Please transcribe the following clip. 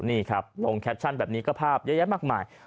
นี่ครับลงแคปชั่นแบบนี้ก็ภาพเยอะแยะมากมาย